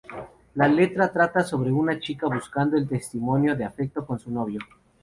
La letra trata sobre una chica buscando el testimonio de afecto con su novio.